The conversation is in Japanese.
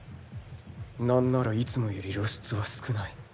何ならいつもより露出は少ない